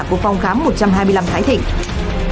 của phòng khám một trăm hai mươi năm thái thịnh